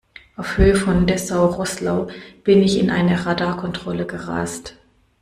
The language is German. Auf Höhe von Dessau-Roßlau bin ich in eine Radarkontrolle gerast.